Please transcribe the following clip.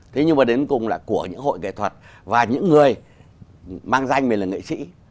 thế nhưng mà đến cùng là của những hội nghệ thuật và những người mang danh mình là nghệ sĩ